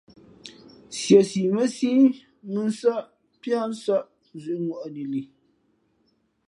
Nsiesi mά síí mʉnsάʼ piá nsα̂ʼ zʉ̌ʼŋwαʼni li.